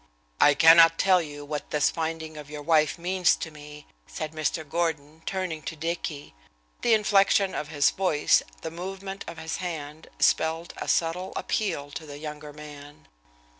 "I cannot tell you what this finding of your wife means to me," said Mr. Gordon, turning to Dicky. The inflection of his voice, the movement of his hand, spelled a subtle appeal to the younger man.